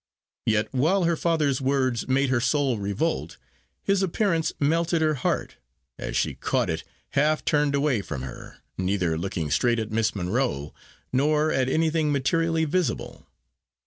Yet, while her father's words made her soul revolt, his appearance melted her heart, as she caught it, half turned away from her, neither looking straight at Miss Monro, nor at anything materially visible.